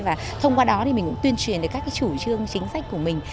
và thông qua đó thì mình cũng tuyên truyền được các cái chủ trương chính sách của mình